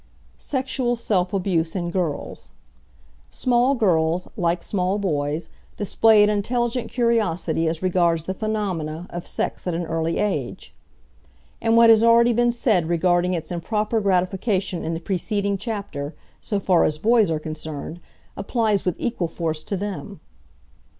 SEXUAL SELF ABUSE IN GIRLS Small girls, like small boys, display an intelligent curiosity as regards the phenomena of sex at an early age. And what has already been said regarding its improper gratification in the preceding chapter, so far as boys are concerned, applies with equal force to them.